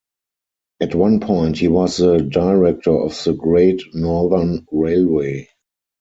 At one point he was the director of the Great Northern Railway.